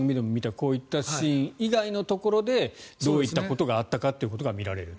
こういうシーン以外のところでどういったことがあったかということが見られると。